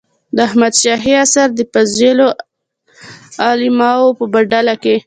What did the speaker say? د احمد شاهي عصر د فاضلو علماوو په ډله کې.